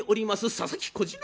佐々木小次郎